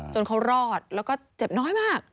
จนเขารอดแล้วก็เจ็บน้อยมาก